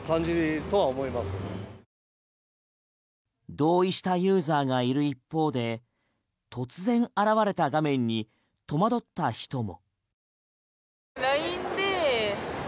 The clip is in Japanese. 同意したユーザーがいる一方で突然現れた画面に戸惑った人も。